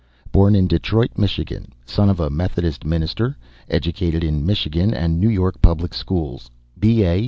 Born in Detroit, Michigan, son of a Methodist minister; educated in Michigan and New York public schools; B.A.